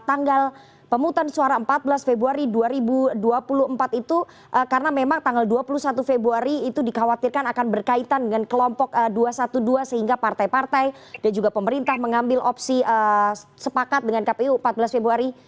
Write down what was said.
tanggal pemutusan suara empat belas februari dua ribu dua puluh empat itu karena memang tanggal dua puluh satu februari itu dikhawatirkan akan berkaitan dengan kelompok dua ratus dua belas sehingga partai partai dan juga pemerintah mengambil opsi sepakat dengan kpu empat belas februari